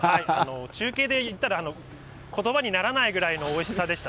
中継でいったら、ことばにならないぐらいのおいしさでした。